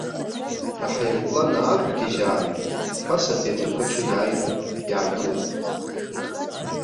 Аҳаирплан аақәгьежьаан, ԥасатәи аҭыԥаҿ иааины иаагылеит.